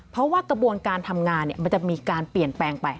เพราะว่ากระบวนการทำงานมันจะมีการเปลี่ยนแปลงไป